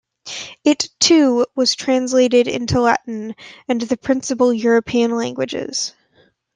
It, too, was translated into Latin and the principal European languages.